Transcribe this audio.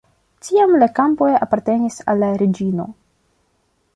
Tiam la kampoj apartenis al la reĝino.